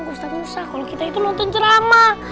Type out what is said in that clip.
gue usah usah kalau kita itu nonton drama